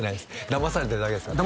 だまされてるだけですよ